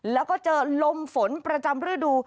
แล้วก็เจอลมฝนประจำฤดู